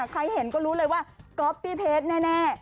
ใครเห็นก็รู้เลยว่าก๊อปปี้เพชรแน่